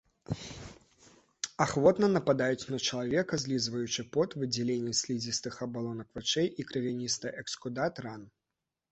Ахвотна нападаюць на чалавека, злізваючы пот, выдзяленні слізістых абалонак вачэй і крывяністы эксудат ран.